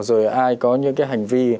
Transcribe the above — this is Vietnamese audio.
rồi ai có những cái hành vi